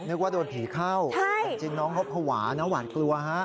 นึกว่าโดนผีเข้าแต่จริงน้องเขาภาวะนะหวานกลัวฮะ